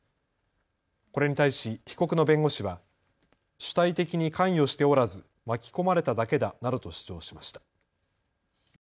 これに対し被告の弁護士は主体的に関与しておらず巻き込まれただけだなどと主張しました。